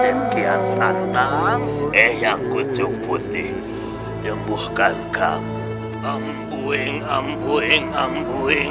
sentian santan eh yang kucuk putih nyembuhkan kamu ambuing ambuing ambuing